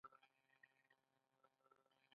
آیا د خپل هیواد د ابادۍ لپاره نه ده؟